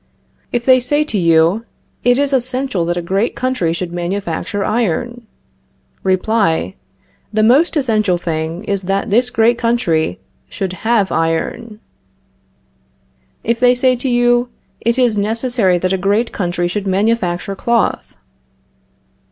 If they say to you: It is essential that a great country should manufacture iron Reply: The most essential thing is that this great country should have iron. If they say to you: It is necessary that a great country should manufacture cloth.